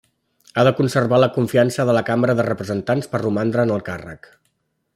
Ha de conservar la confiança de la Cambra de Representants per romandre en el càrrec.